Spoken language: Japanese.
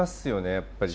やっぱり。